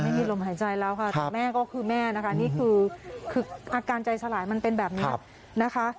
ไม่มีลมหายใจแล้วค่ะแต่แม่ก็คือแม่นะคะนี่คืออาการใจสลายมันเป็นแบบนี้นะคะ